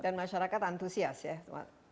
dan masyarakat antusias ya